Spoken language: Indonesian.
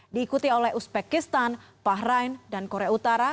diikuti oleh uzbekistan bahrain dan korea utara